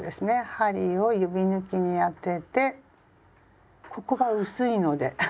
針を指ぬきに当ててここが薄いので。